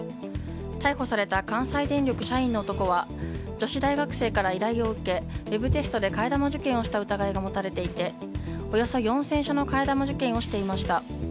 逮捕された関西電力社員の男は女子大学生から依頼を受けウェブテストで替え玉受験をした疑いが持たれていておよそ４０００社の替え玉受験をしていました。